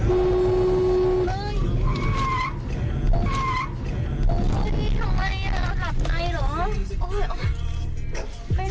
อุ๊ยทำไมหลับในเหรอ